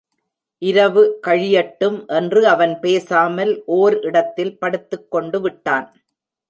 இரவு கழியட்டும் என்று அவன் பேசாமல் ஓர் இடத்தில் படுத்துக் கொண்டுவிட்டான்.